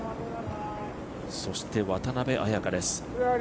そして渡邉彩香です。